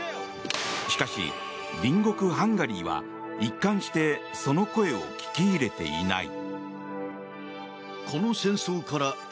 しかし、隣国ハンガリーは一貫してその声を聞き入れていない。